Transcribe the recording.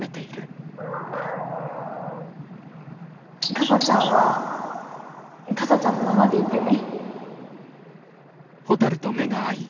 かさちゃんはかさちゃんのままでいてね。